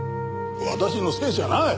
私のせいじゃない！